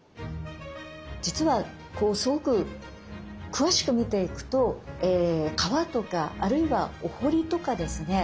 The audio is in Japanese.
実はすごく詳しく見ていくと川とかあるいはお堀とかですね